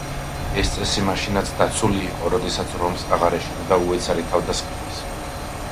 ეს წესი მაშინაც დაცული იყო, როდესაც რომს აღარ ეშინოდა უეცარი თავდასხმების.